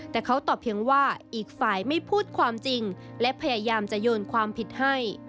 แต่เขาตอบเพียงว่าอีกฝ่ายไม่พูดความจริงและพยายามจะโยนความผิดให้